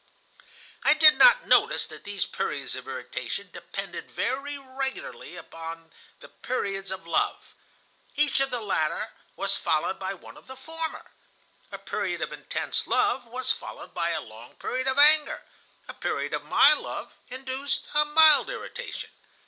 "I did not notice that these periods of irritation depended very regularly upon the periods of love. Each of the latter was followed by one of the former. A period of intense love was followed by a long period of anger; a period of mild love induced a mild irritation.